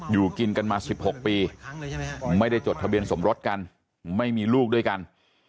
อยู่กินกันมา๑๖ปีไม่ได้จดทะเบียนสมรสกันไม่มีลูกด้วยกัน